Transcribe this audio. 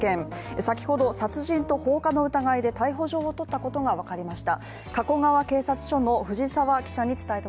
先ほど殺人と放火の疑いで逮捕状を取ったことがわかりました